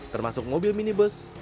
termasuk mobil minibus